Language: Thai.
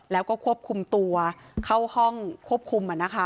แล้วก็ควบคุมตัวเข้าห้องควบคุม